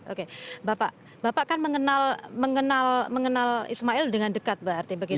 oke bapak kan mengenal ismail dengan dekat berarti begitu